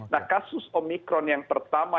nah kasus omikron yang pertama